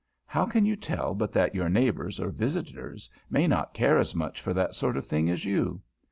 How can you tell but that your neighbors or visitors may not care as much for that sort of thing as you?